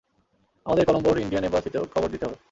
আমাদের কলোম্বোর ইন্ডিয়ান এম্বাসিতেও খবর দিতে হবে।